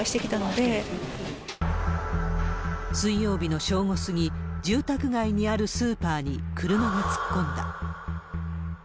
すごい、水曜日の正午過ぎ、住宅街にあるスーパーに車が突っ込んだ。